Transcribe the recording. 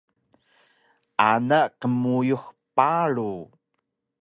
ana qmuyux paru